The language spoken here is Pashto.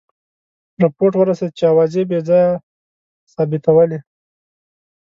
رپوټ ورسېد چې آوازې بې ځایه ثابتولې.